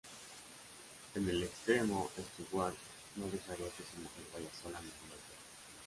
En el extremo Stewart no dejaría que su mujer vaya sola a ninguna parte.